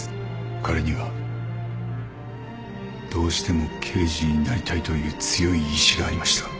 彼にはどうしても刑事になりたいという強い意志がありました。